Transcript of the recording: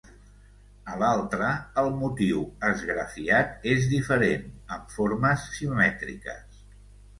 A l'altre el motiu esgrafiat és diferent, amb formes simètriques.